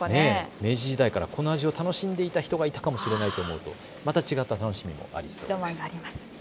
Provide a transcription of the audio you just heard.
明治時代からこの味を楽しんでいた人がいるかもしれないと思うとまた違った楽しみもありますね。